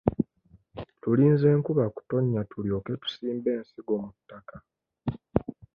Tulinze nkuba kutonnya tulyoke tusimbe ensingo mu ttaka.